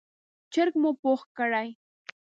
چرګ مو پوخ کړی،